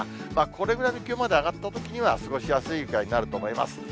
これぐらいの気温まで上がったときには、過ごしやすいくらいになると思います。